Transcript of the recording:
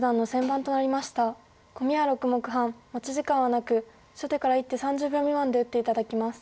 コミは６目半持ち時間はなく初手から１手３０秒未満で打って頂きます。